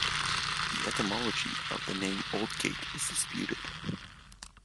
The etymology of the name "Aldgate" is disputed.